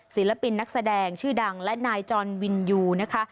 ศิลปินนักแสดงชื่อดังและนายจอนวินยูนะคะ